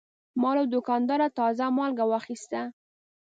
ما له دوکانه تازه مالګه واخیسته.